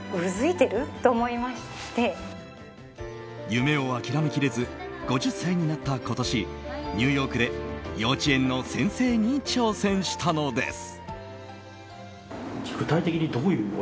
夢を諦めきれず５０歳になった今年ニューヨークで幼稚園の先生に挑戦したのです。